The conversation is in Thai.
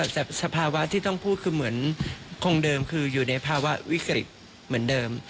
แต่สภาวะที่ต้องพูดคือเหมือนคงเดิมคืออยู่ในภาวะวิกฤตเหมือนเดิม